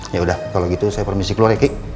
yaudah kalau gitu saya permisi keluar ya ki